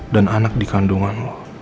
dan anak dikandungan lo